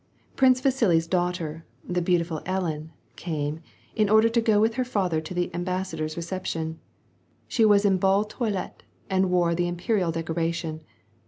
Prin Vasili's daughter, the beautiful Ellen, came, in ordei to with her father to the embassador's reception. She was ball toilet and wore the Imperial decoration.